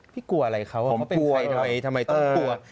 กลัวอะไรเขาผมเป็นใครทำไมต้องกลัว